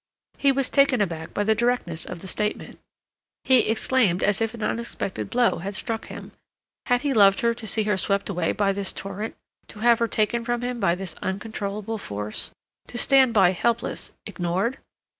He was taken aback by the directness of the statement; he exclaimed as if an unexpected blow had struck him. Had he loved her to see her swept away by this torrent, to have her taken from him by this uncontrollable force, to stand by helpless, ignored?